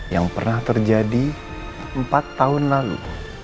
yang pernah terjadi empat tahun lalu